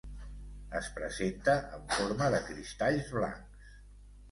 Es presenta en forma de cristalls blancs.